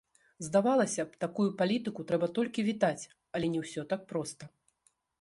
Здавалася б, такую палітыку трэба толькі вітаць, але не ўсё так проста.